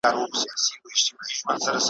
دولتمند که ډېر لیري وي خلک یې خپل ګڼي `